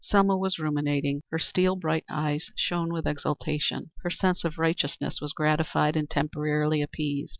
Selma was ruminating. Her steel bright eyes shone with exultation. Her sense of righteousness was gratified and temporarily appeased.